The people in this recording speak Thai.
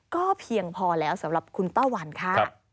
ก็เพียงพอแล้วสำหรับคุณป้าวันค่ะ